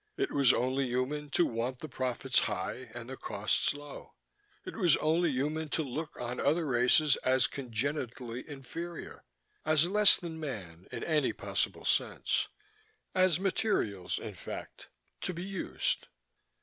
It was only human to want the profits high and the costs low. It was only human to look on other races as congenitally inferior, as less than man in any possible sense, as materials, in fact, to be used.